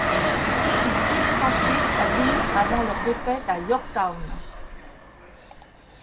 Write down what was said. Ils quittent ensuite la ville avant leur défaite à Yorktown.